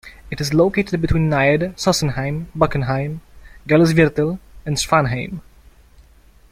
It is located between Nied, Sossenheim, Bockenheim, Gallusviertel and Schwanheim.